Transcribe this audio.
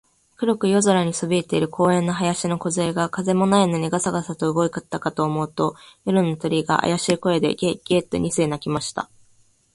黒く夜空にそびえている公園の林のこずえが、風もないのにガサガサと動いたかと思うと、夜の鳥が、あやしい声で、ゲ、ゲ、と二声鳴きました。